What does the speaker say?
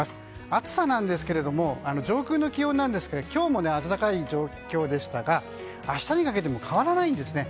暑さなんですが、上空の気温今日も暖かい状況でしたが明日にかけても変わらないんですね。